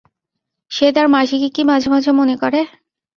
সে তার মাসিকে কি মাঝে মাঝে মনে করে?